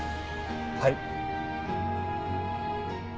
はい。